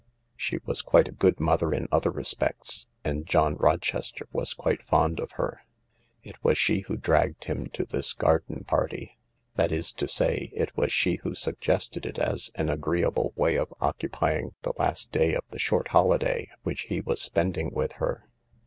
She was quite a good mother in other respects, and John Rochester was quite fond of her. It was she who dragged him to this garden ^party^— that is to say, it was she who suggested it as an agreeable way of occupying the last day of the short holi day which he was spending with her.